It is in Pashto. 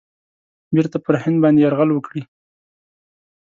بیرته پر هند باندي یرغل وکړي.